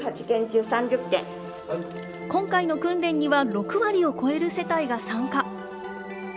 今回の訓練には、６割を超える世帯が参加。